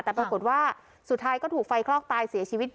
แต่ปรากฏว่าสุดท้ายก็ถูกไฟคลอกตายเสียชีวิต